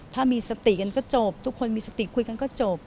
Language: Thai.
ถ้ามีสติกันก็จบทุกคนมีสติคุยกันก็จบ